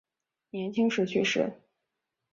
年轻时去世。